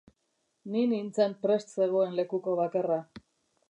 Ni nintzen prest zegoen lekuko bakarra.